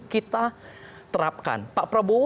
kita terapkan pak prabowo